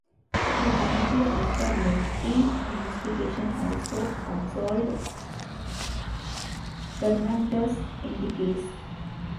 The Committee, after lengthy investigation, also absolved Fernandes in the case.